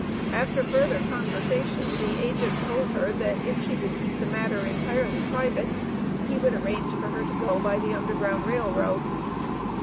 After further conversation the agent told her that if she would keep the matter entirely private, he would arrange for her to go by the Underground Rail Road.